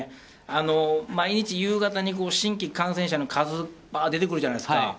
毎日、夕方に新規感染者の数が出てくるじゃないですか。